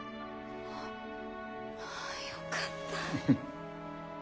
ああよかった。